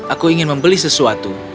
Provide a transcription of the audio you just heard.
aku ingin membeli sesuatu